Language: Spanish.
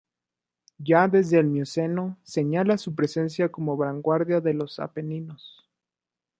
Ya desde el mioceno señala su presencia como vanguardia de los Apeninos.